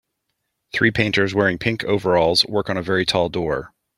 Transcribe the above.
Three painters wearing pink overalls work on a very tall door.